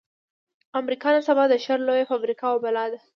امريکا نن سبا د شر لويه فابريکه او بلا ده.